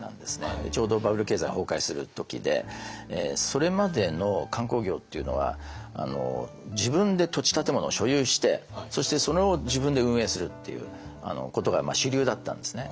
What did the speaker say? それまでの観光業っていうのは自分で土地建物を所有してそしてそれを自分で運営するっていうことが主流だったんですね。